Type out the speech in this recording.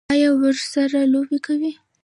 ایا ورسره لوبې کوئ؟